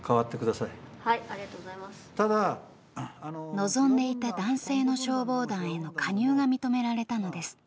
望んでいた男性の消防団への加入が認められたのです。